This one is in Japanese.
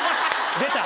出た！